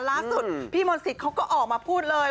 ล่าสุดพี่มนต์สิทธิ์เขาก็ออกมาพูดเลย